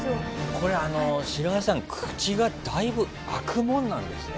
これあのシラワさん口がだいぶ開くものなんですね。